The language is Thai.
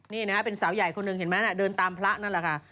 นี่นะฮะเป็นสาวใหญ่คนหนึ่งเห็นไหมเดินตามพระนั่นแหละค่ะ